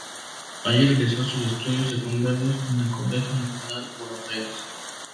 Allí realizó sus estudios secundarios en el Colegio Nacional Buenos Aires.